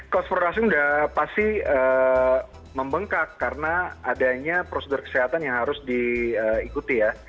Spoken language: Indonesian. cost production udah pasti membengkak karena adanya prosedur kesehatan yang harus diikuti ya